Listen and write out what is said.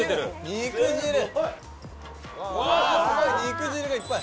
肉汁がいっぱい！